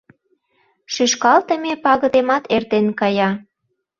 Шӱшкалтыме пагытемат эртен кая.